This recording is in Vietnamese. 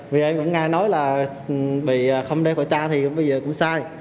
vì em cũng nghe nói là không đeo khẩu trang thì bây giờ cũng sai